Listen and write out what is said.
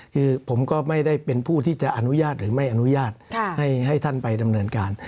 คือผมก็ไม่ได้เป็นผู้ที่จะอนุญาตหรือไม่อนุญาตให้ท่านไปดำเนินการ